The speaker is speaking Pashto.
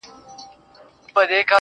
ملايکه مخامخ راته راگوري~